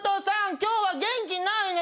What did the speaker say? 今日は元気ないね。